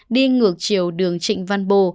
đi ngược chiều đường trịnh văn bô